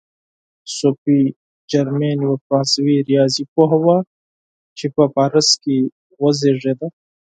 صوفي جرمین یوه فرانسوي ریاضي پوهه وه چې په پاریس کې وزېږېده.